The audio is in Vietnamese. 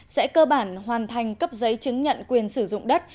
sẽ cơ bản hoàn thành cấp giấy chứng nhận quyền sử dụng đất